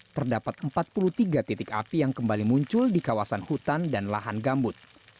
terdapat empat puluh tiga titik api yang kembali muncul di kawasan hutan dan lahan gambut